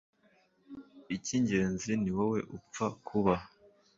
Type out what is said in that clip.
icyigenzi ni wowe upfa kuba